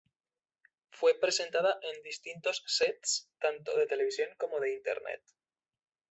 Fue presentada en distintos sets tanto de televisión como de internet.